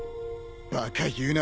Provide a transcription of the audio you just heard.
バカ言うな。